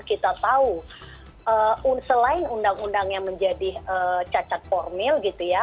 kita tahu selain undang undang yang menjadi cacat formil gitu ya